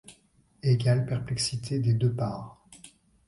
Égale perplexité des deux parts !